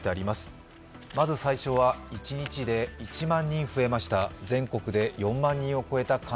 まず最初は一日で１万人増えました。